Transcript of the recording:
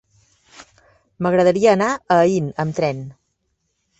M'agradaria anar a Aín amb tren.